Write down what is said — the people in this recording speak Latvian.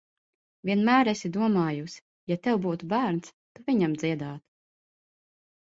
Vienmēr esi domājusi, ja tev būtu bērns, tu viņam dziedātu.